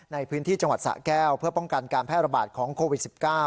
ในพื้นที่จังหวัดสะแก้วเพื่อป้องกันการแพร่ระบาดของโควิด๑๙